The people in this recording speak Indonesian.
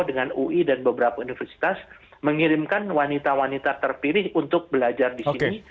dengan ui dan beberapa universitas mengirimkan wanita wanita terpilih untuk belajar di sini